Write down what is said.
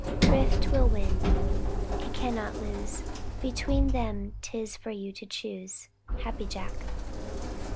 Thrift will win; it cannot lose. Between them 'tis for you to choose. _Happy Jack.